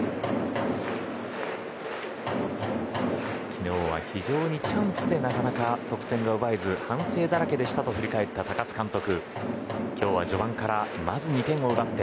昨日は非常にチャンスでなかなか得点が奪えず反省だらけでしたと振り返った高津監督。